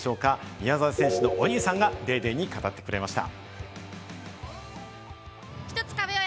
宮澤選手のお兄さんが『ＤａｙＤａｙ．』に語ってくれました。